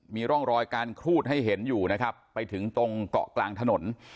มีร่องรอยการครูดให้เห็นอยู่นะครับไปถึงตรงเกาะกลางถนน